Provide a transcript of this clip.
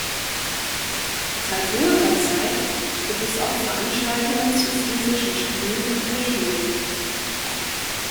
Seit jüngerer Zeit gibt es auch Veranstaltungen zu friesischen Spielen und Medien.